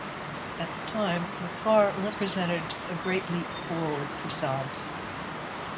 At the time, the car represented a great leap forward for Saab.